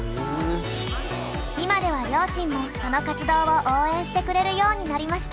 今では両親もその活動を応援してくれるようになりました。